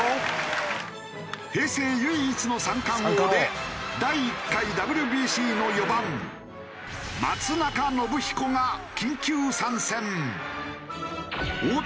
平成唯一の三冠王で第１回ＷＢＣの４番松中信彦が緊急参戦！